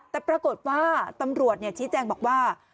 แต่ปรากฏว่าตำรวจชี้แจงบอกว่า